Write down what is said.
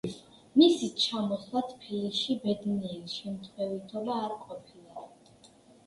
მისი ჩამოსვლა თბილისში ბედნიერი შემთხვევითობა არ ყოფილა.